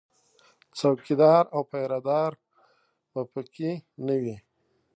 څوکیدار او پیره دار به په کې نه وي